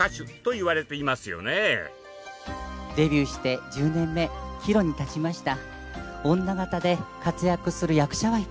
デビューして１０年目岐路に立ちました。